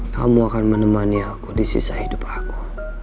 kamu akan menemani aku di sisa hidup aku